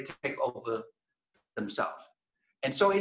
mereka mengambil alih diri mereka sendiri